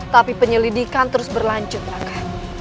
tapi penyelidikan terus berlanjut raka